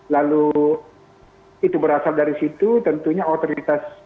lalu itu berasal dari situ tentunya otoritas